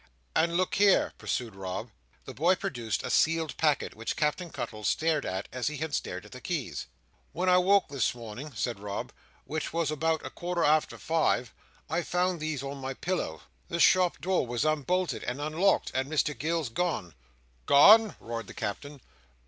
"And look here!" pursued Rob. The boy produced a sealed packet, which Captain Cuttle stared at as he had stared at the keys. "When I woke this morning, Captain," said Rob, "which was about a quarter after five, I found these on my pillow. The shop door was unbolted and unlocked, and Mr Gills gone." "Gone!" roared the Captain.